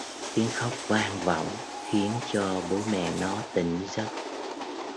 Tiếng khóc vang vọng khiến cho bố mẹ nó tỉnh giấc